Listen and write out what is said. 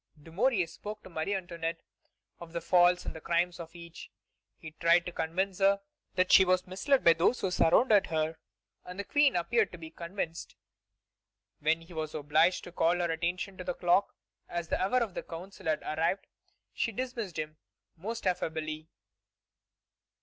Dumouriez spoke to Marie Antoinette of the faults and crimes of each; he tried to convince her that she was misled by those who surrounded her, and the Queen appeared to be convinced. When he was obliged to call her attention to the clock, as the hour for the Council had arrived, she dismissed him most affably.